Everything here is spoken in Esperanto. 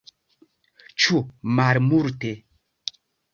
Ĉu malmulte?